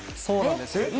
そうなんです。